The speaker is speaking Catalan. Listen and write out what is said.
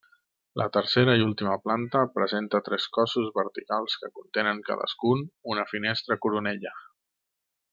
La tercera i última planta presenta tres cossos verticals que contenen cadascun una finestra coronella.